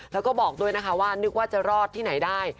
แล้วก็บอกด้วยนะคะว่านึกว่าจะรอดที่ไหนได้